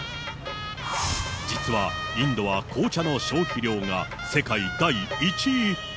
実はインドは紅茶の消費量が世界第１位。